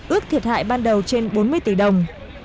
ước thiệt hại ban đầu trên bốn mươi tỷ đồng